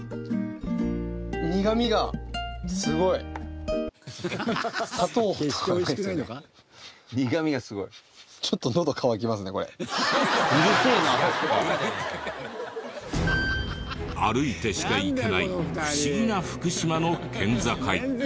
苦みがすごい？歩いてしか行けない不思議な福島の県境。